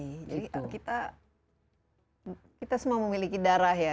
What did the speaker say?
jadi kita semua memiliki darah ya